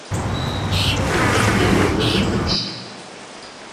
What are you gonna do with your fingers?